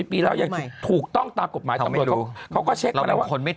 ปีแล้วยังถูกต้องตามกฎหมายเขาไม่รู้เขาก็เช็คว่าคนไม่